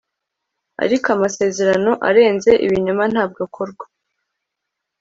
ariko amasezerano arenze, ibinyoma ntabwo akorwa